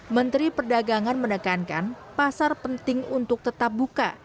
menteri perdagangan menekankan pasar penting untuk tetap buka